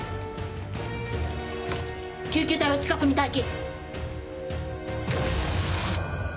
救急隊を近くに待機！